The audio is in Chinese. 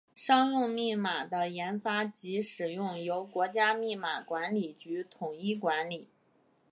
商用密码的研发及使用由国家密码管理局统一管理。